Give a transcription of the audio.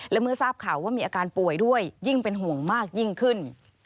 และเมื่อทราบข่าวว่ามีอาการป่วยด้วยยิ่งเป็นห่วงมากยิ่งขึ้น